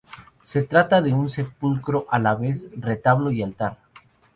Se trata de un sepulcro a la vez retablo y altar.